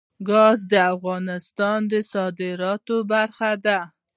ګاز د افغانستان د صادراتو برخه ده.